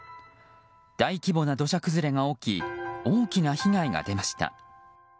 大規模な土砂崩れが起き大きな被害が出ました。